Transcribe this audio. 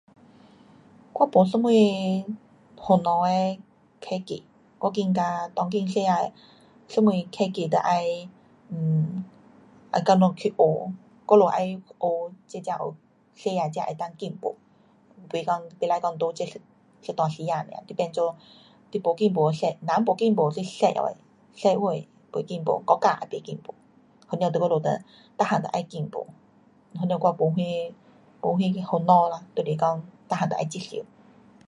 我没什么烦恼的科技，我觉得当今世界什么科技都要[um]要叫咱们去学，我们要学，这才有，世界才能够进步。不讲，不可讲在这一，一段时间nia, 你变做你没进步一，人没进步你一样样的，社会不进步，国家也不进步，那了我们都每样得要进步，哪了我没什，没什去烦恼啦，就是讲每样都要接受。